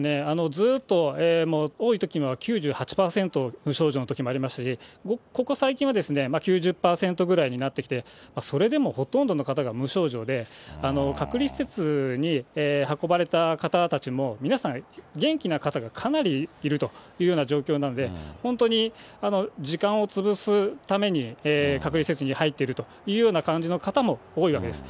ずっと多いときには９８％無症状のときもありますし、ここ最近は９０％ぐらいになってきて、それでもほとんどの方が無症状で、隔離施設に運ばれた方たちも、皆さん、元気な方がかなりいるというような状況なので、本当に時間をつぶすために隔離施設に入っているというような感じの方も多いわけです。